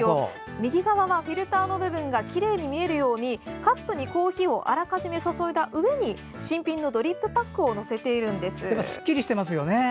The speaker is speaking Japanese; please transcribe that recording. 右側はフィルターの部分がきれいに見えるようにカップにコーヒーをあらかじめ注いだうえに新品のドリップパックを乗せているんです。